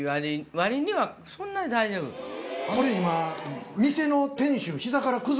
これ今。